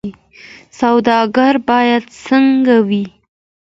سوداګر باید څنګه وي؟